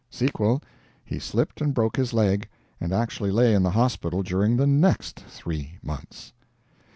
Sequel: he slipped and broke his leg, and actually lay in the hospital during the next three months!